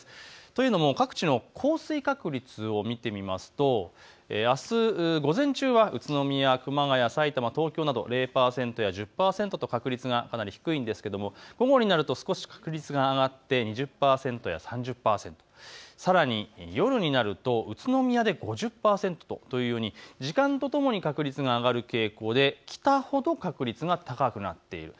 というのも各地の降水確率を見てみますとあす午前中は宇都宮、熊谷、さいたま、東京など０％や１０％、確率がかなり低いんですが午後になると少し確率が上がって２０％や３０％、さらに夜になると宇都宮で５０％というふうに時間とともに確率が上がる傾向で北ほど確率が高くなっている。